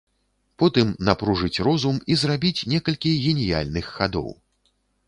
Потым напружыць розум і зрабіць некалькі геніяльных хадоў.